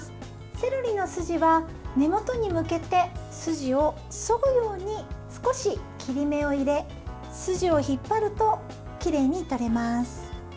セロリの筋は根元に向けて筋をそぐように少し切り目を入れ筋を引っ張るときれいに取れます。